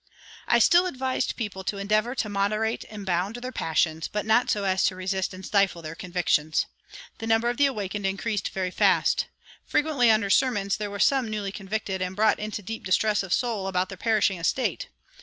I still advised people to endeavor to moderate and bound their passions, but not so as to resist and stifle their convictions. The number of the awakened increased very fast. Frequently under sermons there were some newly convicted and brought into deep distress of soul about their perishing estate.